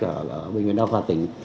ở bệnh viện đào khoa tỉnh